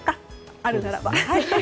あるならば。